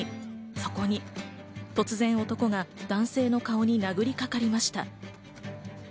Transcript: そこに突然、男が男性の顔に殴りかかりました。